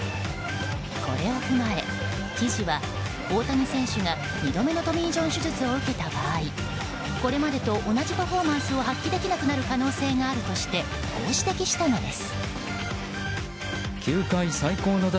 これを踏まえ、記事は大谷選手が２度目のトミー・ジョン手術を受けた場合これまでと同じパフォーマンスを発揮できなくなる可能性があるとしてこう指摘したのです。